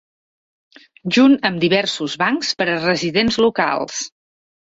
Junt amb diversos bancs per a residents locals.